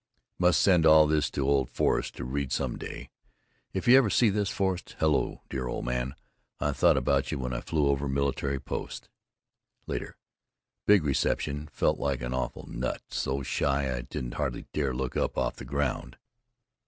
Must send all this to old Forrest to read some day—if you ever see this, Forrest, hello, dear old man, I thought about you when I flew over military post. Later: Big reception, felt like an awful nut, so shy I didn't hardly dare look up off the ground.